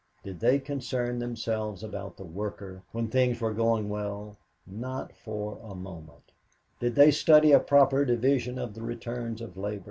Did they concern themselves about the worker when things were going well? Not for a moment. Did they study a proper division of the returns of labor?